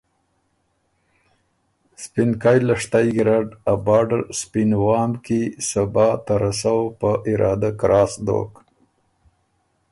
سپینکئ لشتئ ګیرډ ا باډر سپین وام کی صبا ته رسؤ په ارادۀ کراس دوک،